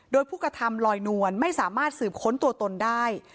โดยผู้กระทำลอยนวลไม่สามารถสืบค้นตัวตนได้